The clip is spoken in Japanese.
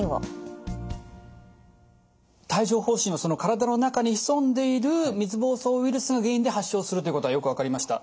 帯状ほう疹は体の中に潜んでいる水ぼうそうウイルスが原因で発症するということはよく分かりました。